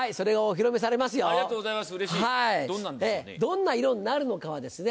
どんな色になるのかはですね